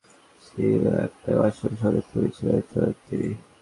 পুরো শুটিংয়ে আবদুল্লাহর আবদার ছিল একটাই, মাশরাফির সঙ্গে ছবি তুলতে চান তিনি।